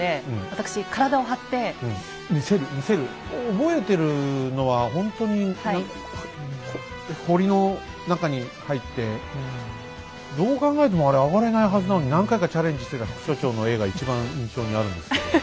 覚えてるのはほんとに何かこう堀の中に入ってどう考えてもあれ上がれないはずなのに何回かチャレンジしてた副所長の画が一番印象にあるんですけども。